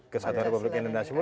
kesatuan republik indonesia